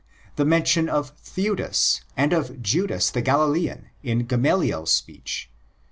The mention of Theudas and of Judas the Galilean in Gamaliel's speech (v.